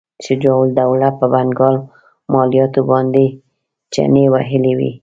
شجاع الدوله په بنګال مالیاتو باندې چنې وهلې وې.